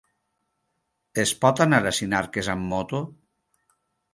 Es pot anar a Sinarques amb moto?